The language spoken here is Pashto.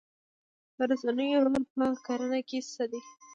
د رسنیو رول په کرنه کې څه دی؟